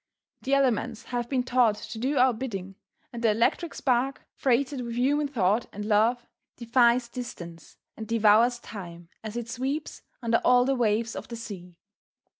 The elements have been taught to do our bidding, and the electric spark, freighted with human thought and love, defies distance, and devours time as it sweeps under all the waves of the sea.